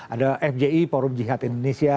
ada fji forum jihad indonesia